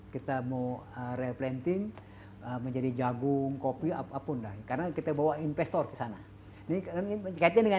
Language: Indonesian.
kita mau replanting menjadi jagung kopi apapun dan karena kita bawa investor ke sana dengan